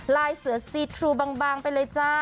ลายเสือซีทรูบางไปเลยจ้า